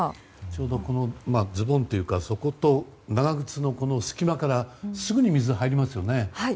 ちょうどズボンというかそこと長靴の隙間からすぐに水が入りますよね。